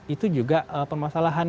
itu juga permasalahan